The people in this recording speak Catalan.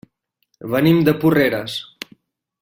Venim de Porreres.